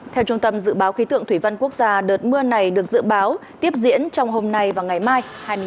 theo trung tâm dự báo khí tượng thủy văn quốc gia đợt mưa này được dự báo tiếp diễn trong hôm nay và ngày mai